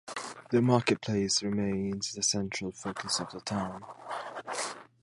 The market place remains the central focus of the town.